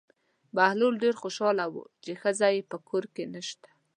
بهلول ډېر خوشحاله و چې ښځه یې په کور کې نشته.